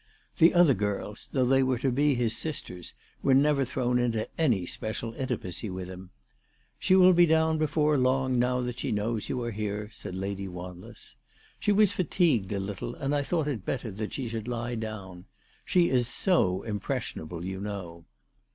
The other girls, though they were to be his sisters, were never thrown into any special intimacy with him. " She will be down before long now that she knows you are here," said Lady Wanless. " She was fatigued a little, and I thought it better that she should lie down. She is so impressionable, you know."